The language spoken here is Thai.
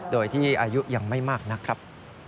โดยที่อายุยังไม่มากนักครับ